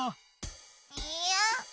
いや！